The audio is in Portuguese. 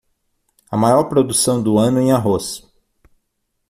A maior produção do ano em arroz.